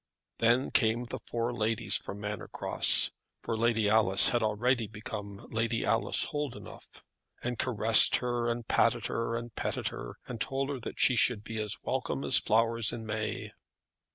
Then came the four ladies from Manor Cross, for Lady Alice had already become Lady Alice Holdenough, and caressed her, and patted her, and petted her, and told her that she should be as welcome as flowers in May.